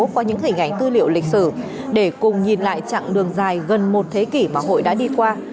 qua những hình ảnh tư liệu lịch sử để cùng nhìn lại chặng đường dài gần một thế kỷ mà hội đã đi qua